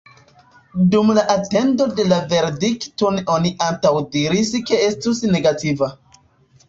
Dum la atendo de la verdikton oni antaŭdiris ke estus negativa.